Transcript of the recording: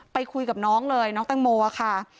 ไปคุยกับน้องเลยน้องแตงโมค่ะ